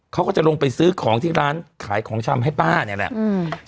เขาก็จะลงไปซื้อของที่ร้านขายของชำให้ป้าเนี่ยแหละอืม